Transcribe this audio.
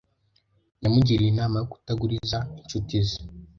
Yamugiriye inama yo kutaguriza inshuti ze.